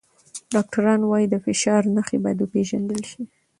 ډاکټران وايي د فشار نښې باید وپیژندل شي.